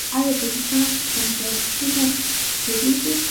آیا د کتاب نندارتونونه جوړیږي؟